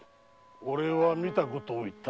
俺は見たことを言ったまで。